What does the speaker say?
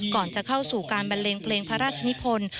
ก่อนจะเข้าสู่การบันเลงเพลงพระราชนิพล